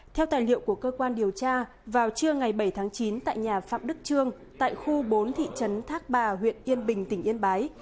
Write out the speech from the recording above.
theo tài liệu của cơ quan điều tra vào trưa ngày bảy tháng chín tại nhà phạm đức trương tại khu bốn thị trấn thác bà huyện yên bình tỉnh yên bái